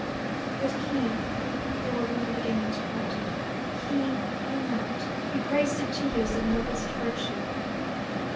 "But he," the old woman again interrupted, "he I know it he praised it to you as the noblest virtue."